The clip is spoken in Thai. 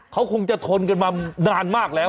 เขาคงจะทนกันมานานมากแล้ว